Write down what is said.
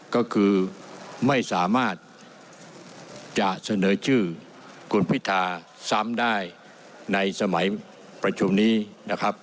ก็คือไม่สามารถจะเสนอชื่อคุณพิธาซ้ำได้ในสมัยประชุมนี้นะครับ